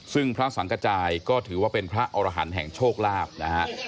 ซึ่งพระสังกระจายก็ถือว่าเป็นพระอรหันต์แห่งโชคลาภนะฮะ